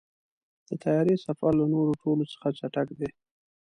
د طیارې سفر له نورو ټولو څخه چټک دی.